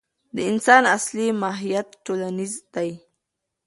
د انسان اصلي ماهیت ټولنیز دی.